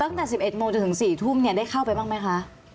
ตั้งแต่๑๑โมงจนถึง๔ทุ่มได้เข้าไปบ้างไหมคะ